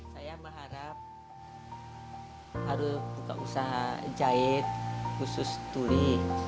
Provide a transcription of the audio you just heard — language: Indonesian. saya berharap harus buka usaha jahit khusus tuli